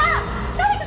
誰か！